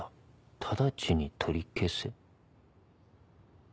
直ちに取り消せ」。